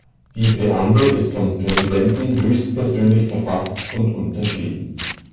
Die Präambel ist vom Präsidenten höchstpersönlich verfasst und unterschrieben.